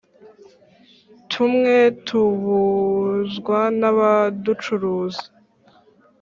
tumwe tubunzwa n’abaducuruza